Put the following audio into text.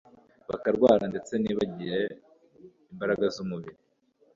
bakarwara, ndetse ntibagire imbaraga z'umubiri